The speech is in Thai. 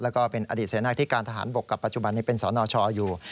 แล้วก็เป็นอดีตเสนาที่การทหารบกกับปัจจุบันนี้เป็นสนชอยู่